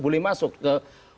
boleh masuk ke